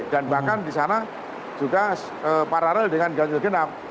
dan bahkan di sana juga paralel dengan ganjil genap